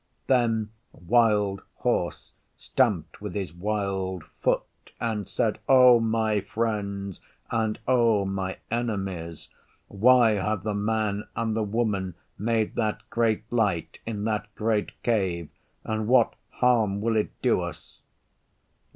Then Wild Horse stamped with his wild foot and said, 'O my Friends and O my Enemies, why have the Man and the Woman made that great light in that great Cave, and what harm will it do us?